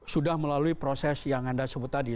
sudah melalui proses yang anda sebut tadi